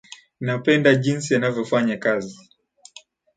Napenda jinsi anavyofanya kazi